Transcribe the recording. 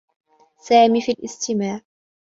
سامي في الاستماع.